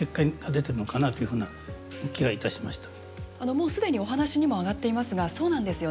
もう既にお話にも挙がっていますがそうなんですよね。